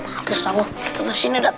harus sama kita terusin ya dot